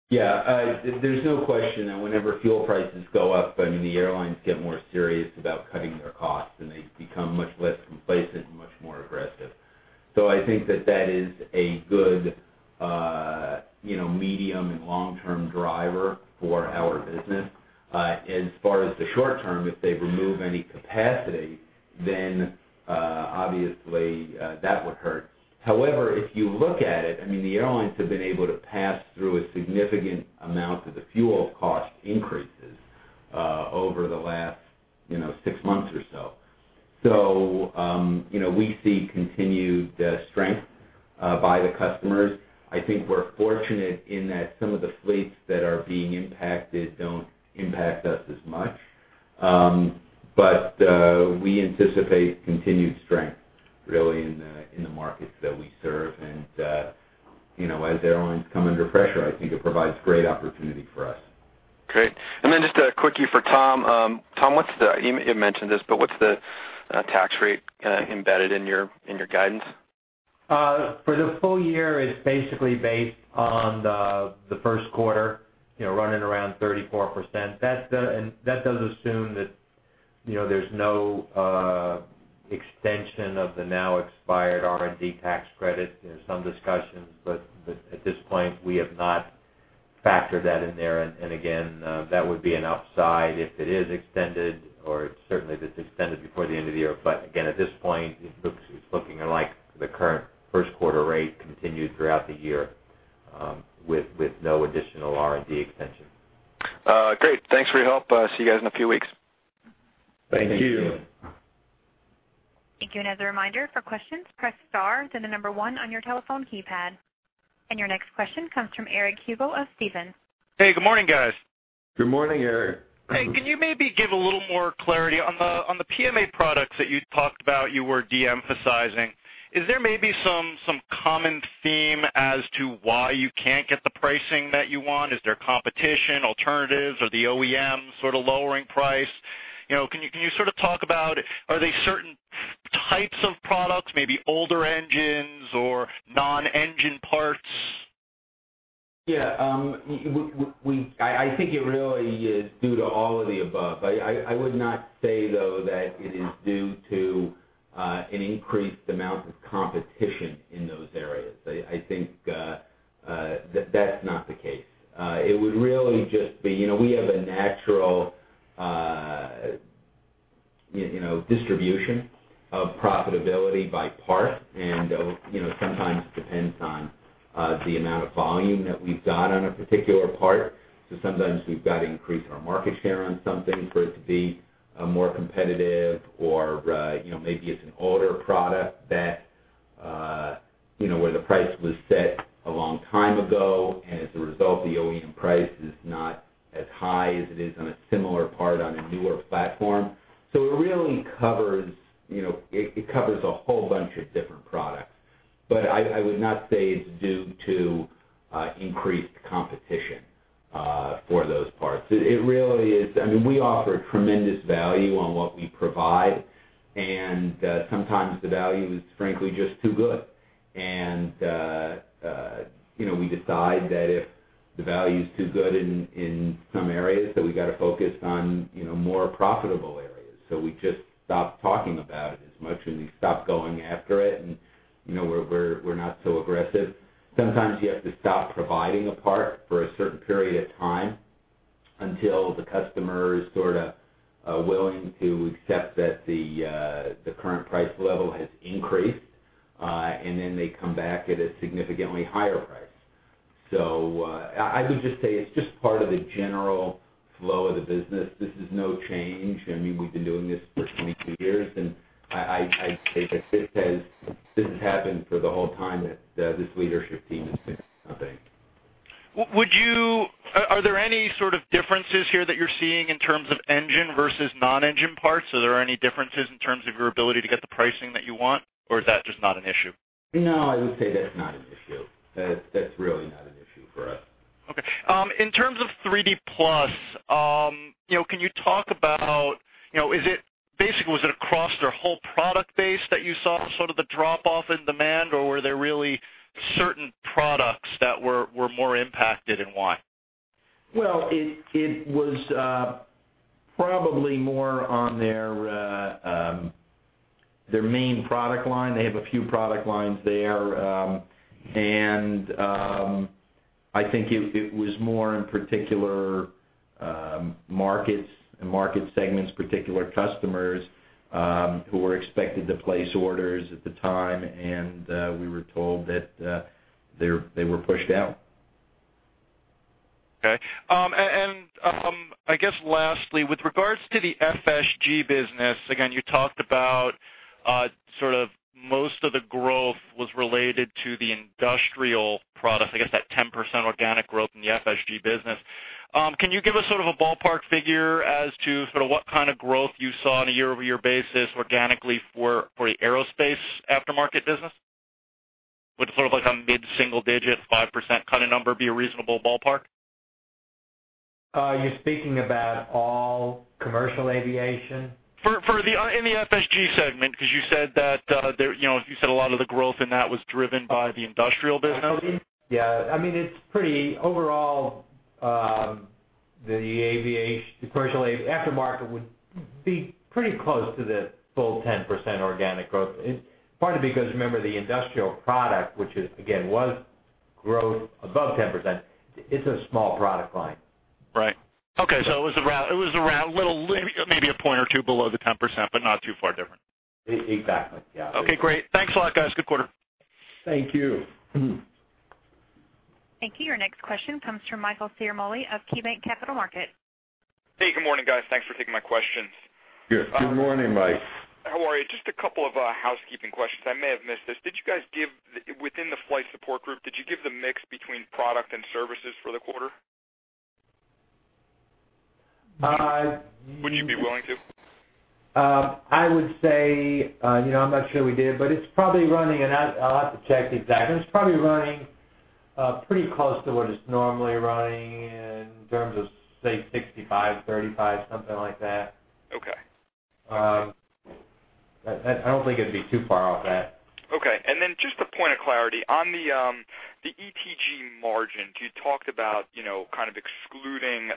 Speaker 4: Yeah, there's no question that whenever fuel prices go up, the airlines get more serious about cutting their costs, and they become much less complacent and much more aggressive. I think that is a good, you know, medium and long-term driver for our business. As far as the short term, if they remove any capacity, then obviously that would hurt. However, if you look at it, the airlines have been able to pass through a significant amount of the fuel cost increases over the last, you know, six months or so. You know, we see continued strength by the customers. I think we're fortunate in that some of the fleets that are being impacted don't impact us as much, but we anticipate continued strength, really, in the markets that we serve. You know, as airlines come under pressure, I think it provides great opportunity for us.
Speaker 11: Great. Just a quickie for Tom. Tom, what's the, you mentioned this, but what's the tax rate embedded in your guidance?
Speaker 6: For the full year, it's basically based on the first quarter, you know, running around 34%. That does assume that, you know, there's no extension of the now expired R&D tax credit. There's some discussions, but at this point, we have not factored that in there. Again, that would be an outside if it is extended or it's certainly that it's extended before the end of the year. At this point, it looks like the current first quarter rate continued throughout the year, with no additional R&D extension.
Speaker 11: Great. Thanks for your help. See you guys in a few weeks.
Speaker 4: Thank you.
Speaker 1: Thank you.
Speaker 2: Thank you. As a reminder, for questions, press star then the number one on your telephone keypad. Your next question comes from Eric Reubel of Stifel.
Speaker 12: Hey, good morning, guys.
Speaker 1: Good morning, Eric.
Speaker 12: Can you maybe give a little more clarity on the PMA products that you talked about you were de-emphasizing? Is there maybe some common theme as to why you can't get the pricing that you want? Is there competition, alternatives, or the OEM sort of lowering price? Can you sort of talk about, are they certain types of products, maybe older engines or non-engine parts?
Speaker 4: Yeah. I think it really is due to all of the above. I would not say, though, that it is due to an increased amount of competition in those areas. I think that that's not the case. It would really just be, you know, we have a natural distribution of profitability by part, and sometimes it depends on the amount of volume that we've got on a particular part. Sometimes we've got to increase our market share on something for it to be more competitive, or maybe it's an older product where the price was set a long time ago, and as a result, the OEM price is not as high as it is on a similar part on a newer platform. It really covers a whole bunch of different products. I would not say it's due to increased competition for those parts. It really is, I mean, we offer tremendous value on what we provide, and sometimes the value is, frankly, just too good. You know, we decide that if the value is too good in some areas, we have to focus on more profitable areas. We just stop talking about it as much, and we stop going after it. We're not so aggressive. Sometimes you have to stop providing a part for a certain period of time until the customer is willing to accept that the current price level has increased, and then they come back at a significantly higher price. I would just say it's just part of the general flow of the business. This is no change. We've been doing this for 22 years, and I'd say that this has happened for the whole time that this leadership team has been out there.
Speaker 12: Are there any sort of differences here that you're seeing in terms of engine versus non-engine parts? Are there any differences in terms of your ability to get the pricing that you want, or is that just not an issue?
Speaker 4: No, I would say that's not an issue. That's really not an issue for us.
Speaker 12: Okay. In terms of 3D PLUS, can you talk about, you know, is it basically, was it across their whole product base that you saw sort of the drop-off in demand, or were there really certain products that were more impacted and why?
Speaker 4: It was probably more on their main product line. They have a few product lines there, and I think it was more in particular markets and market segments, particular customers who were expected to place orders at the time. We were told that they were pushed out.
Speaker 12: Okay, I guess lastly, with regards to the FSG business, you talked about most of the growth was related to the industrial products. I guess that 10% organic growth in the FSG business. Can you give us a ballpark figure as to what kind of growth you saw on a year-over-year basis organically for the aerospace aftermarket business? Would a mid-single-digit 5% kind of number be a reasonable ballpark?
Speaker 4: You're speaking about all commercial aviation?
Speaker 12: For the FSG segment, because you said that a lot of the growth in that was driven by the industrial business.
Speaker 4: Yeah. I mean, it's pretty overall, the commercial aftermarket would be pretty close to the full 10% organic growth. It's partly because, remember, the industrial product, which again was growth above 10%, it's a small product line.
Speaker 12: Right. Okay. It was around, it was around a little, maybe a point or two below the 10%, but not too far different.
Speaker 4: Exactly. Yeah.
Speaker 12: Okay. Great. Thanks a lot, guys. Good quarter.
Speaker 1: Thank you.
Speaker 2: Thank you. Your next question comes from Michael Ciarmoli of KeyBanc Capital Markets.
Speaker 13: Hey, good morning, guys. Thanks for taking my questions.
Speaker 1: Good morning, Mike.
Speaker 13: How are you? Just a couple of housekeeping questions. I may have missed this. Did you guys give, within the Flight Support Group, did you give the mix between product and services for the quarter?
Speaker 6: I've.
Speaker 13: Would you be willing to?
Speaker 6: I would say, you know, I'm not sure we did, but it's probably running, and I'll have to check the exact number. It's probably running pretty close to what it's normally running in terms of, say, 65%, 35%, something like that.
Speaker 13: Okay.
Speaker 6: I don't think it'd be too far off that.
Speaker 13: Okay. Just a point of clarity. On the ETG margin, you talked about, you know, kind of excluding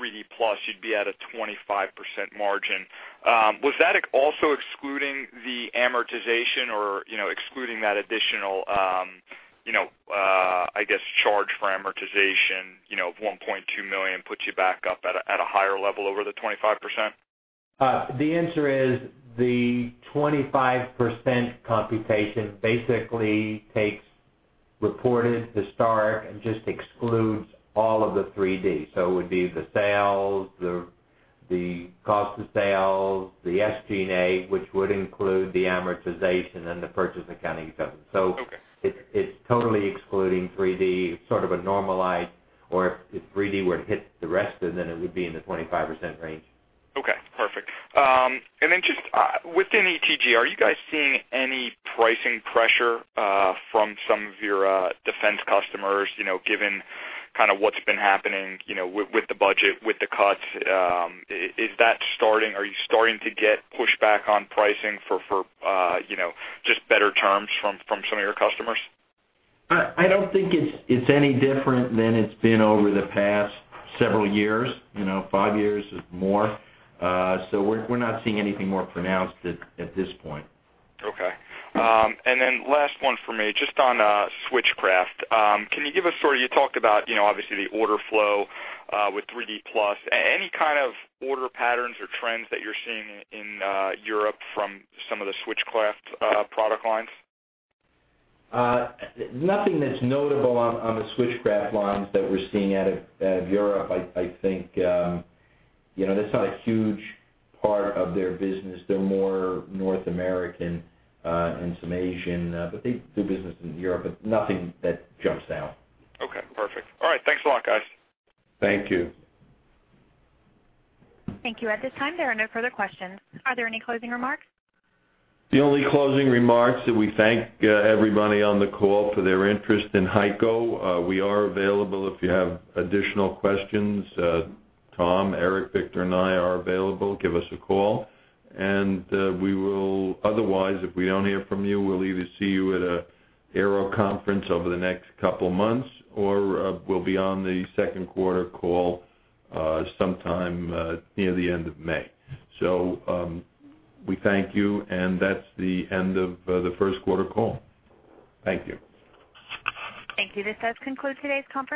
Speaker 13: 3D PLUS, you'd be at a 25% margin. Was that also excluding the amortization or, you know, excluding that additional, you know, I guess, charge for amortization, you know, of $1.2 million puts you back up at a higher level over the 25%?
Speaker 6: The answer is the 25% computation basically takes reported to start and just excludes all of the 3D. It would be the sales, the cost of sales, the SG&A, which would include the amortization and the purchase accounting exception. It is totally excluding 3D. It is sort of a normalized or 3D were to hit the rest, and then it would be in the 25% range.
Speaker 13: Okay. Perfect. And then just within ETG, are you guys seeing any pricing pressure from some of your defense customers, given kind of what's been happening with the budget, with the cuts? Is that starting? Are you starting to get pushback on pricing for, you know, just better terms from some of your customers?
Speaker 6: I don't think it's any different than it's been over the past several years, you know, five years or more. We're not seeing anything more pronounced at this point.
Speaker 13: Okay, and then last one for me, just on Switchcraft. Can you give us sort of, you talked about, you know, obviously the order flow with 3D PLUS. Any kind of order patterns or trends that you're seeing in Europe from some of the Switchcraft product lines? Nothing.
Speaker 6: That's notable on the Switchcraft launch that we're seeing out of Europe. I think, you know, that's not a huge part of their business. They're more North American and some Asian, but they do business in Europe, but nothing that jumps out.
Speaker 2: Okay, perfect. All right, thanks a lot, guys.
Speaker 1: Thank you.
Speaker 2: Thank you. At this time, there are no further questions. Are there any closing remarks?
Speaker 1: The only closing remarks that we thank everybody on the call for their interest in HEICO. We are available if you have additional questions. Tom, Eric, Victor, and I are available. Give us a call. If we don't hear from you, we'll either see you at an AERO Conference over the next couple of months, or we'll be on the second quarter call sometime near the end of May. We thank you, and that's the end of the first quarter call. Thank you.
Speaker 2: Thank you. This does conclude today's call.